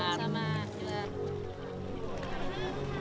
setiap pedagang pedagang yang berjumpa dengan perempuan